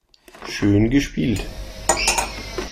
Schön gespielt.